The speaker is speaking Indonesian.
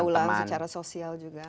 mungkin pergaulan secara sosial juga